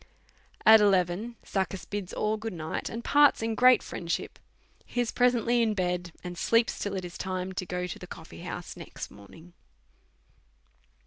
At eleven, Succus bids all good night, and parts in great friendship. He is presently in bed, and sleeps till it is time to go to the coffee house next morning.